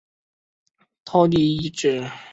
姚李遗址的历史年代为新石器时代至青铜时代。